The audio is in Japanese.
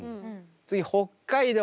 次北海道